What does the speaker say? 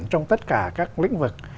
trong tất cả các lĩnh vực